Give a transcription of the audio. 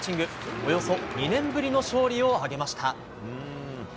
およそ２年ぶりの勝利を挙げました。